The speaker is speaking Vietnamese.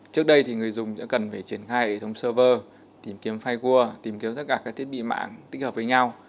trước đây thì người dùng đã cần phải triển khai hệ thống server tìm kiếm firew tìm kiếm tất cả các thiết bị mạng tích hợp với nhau